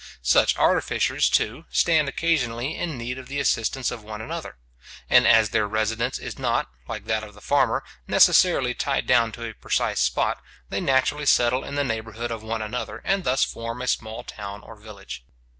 Such artificers, too, stand occasionally in need of the assistance of one another; and as their residence is not, like that of the farmer, necessarily tied down to a precise spot, they naturally settle in the neighbourhood of one another, and thus form a small town or village.